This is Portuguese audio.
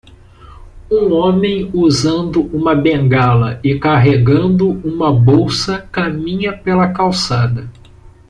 Um homem usando uma bengala e carregando uma bolsa caminha pela calçada.